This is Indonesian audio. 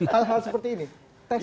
hal hal seperti ini